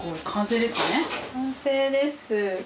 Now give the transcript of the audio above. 完成です。